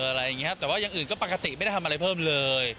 อะไรอย่างนี้ครับแต่ว่าอย่างอื่นก็ปกติไม่ได้ทำอะไรเพิ่มเลย